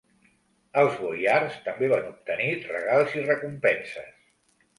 Els boiars també van obtenir regals i recompenses.